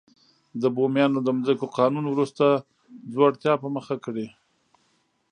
د بومیانو د ځمکو قانون وروسته ځوړتیا په مخه کړې.